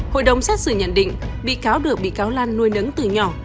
hội đồng xét xử nhận định bị cáo được bị cáo lan nuôi nấng từ nhỏ